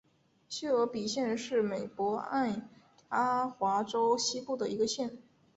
谢尔比县是美国爱阿华州西部的一个县。